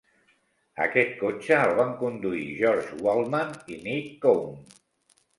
Aquest cotxe el van conduir George Waltman i Nick Cone.